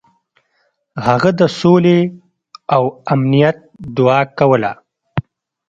هغه د سولې او امنیت دعا کوله.